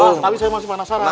wah tapi saya masih penasaran